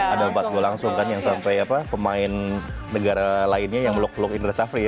ada empat gol langsung kan yang sampai pemain negara lainnya yang meluk blok indra safri ya